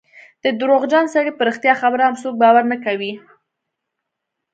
د درواغجن سړي په رښتیا خبره هم څوک باور نه کوي.